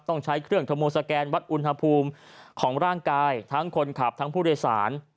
ต้องใช้เครื่องโทโมสแกนวัดอุณหภูมิของร่างกายทั้งคนขับทั้งผู้โดยสาร